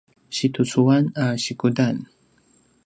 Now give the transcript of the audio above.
situcuan a sikudan